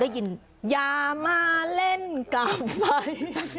หยามาเล่นกลับไป